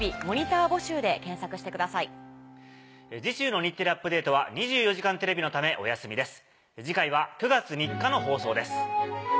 次週の『日テレアップＤａｔｅ！』は『２４時間テレビ』のためお休みです。